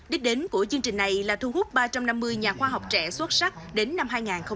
đích đến của chương trình này là thu hút ba trăm năm mươi nhà khoa học trẻ xuất sắc đến năm hai nghìn ba mươi